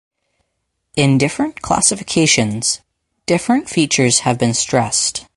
In different classifications, different features have been stressed.